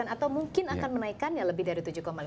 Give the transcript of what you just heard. atau mungkin akan menaikkannya lebih dari tujuh lima